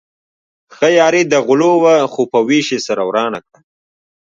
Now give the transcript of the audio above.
ښه یاري د غلو وه خو په وېش يې سره ورانه کړه.